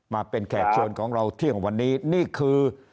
มาเป็นแขกเชิญของเราเที่ยงวันนี้นี่คือ